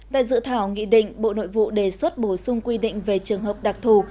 tại dự thảo nghị định bộ nội vụ đề xuất bổ sung quy định về trường hợp đặc thù